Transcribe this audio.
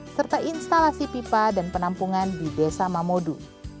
serta instalasi pipa dan penampungan di desa mamodu